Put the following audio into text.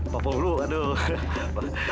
pak paul dulu aduh